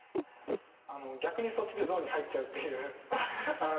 逆にそっちでゾーンに入っちゃうっていう。